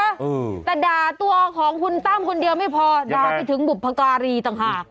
อืมแต่ด่าตัวของคุณตั้มคนเดียวไม่พอด่าไปถึงบุพการีต่างหาก